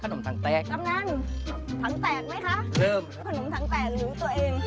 ขนมถังแตกหรือตัวเอง